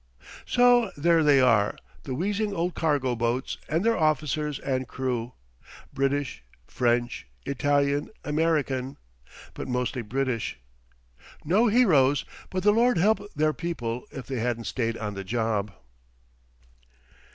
So there they are, the wheezing old cargo boats and their officers and crew. British, French, Italian, American, but mostly British. No heroes, but the Lord help their people if they hadn't stayed on the job.